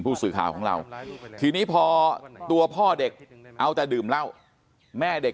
ผู้สื่อข่าวของเราทีนี้พอตัวพ่อเด็กเอาแต่ดื่มเหล้าแม่เด็ก